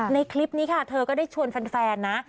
คลิปนี้ค่ะเธอก็ได้ชวนแฟนนะ